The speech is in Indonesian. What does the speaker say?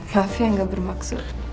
maaf ya gak bermaksud